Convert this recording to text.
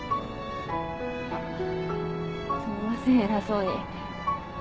すみません偉そうに。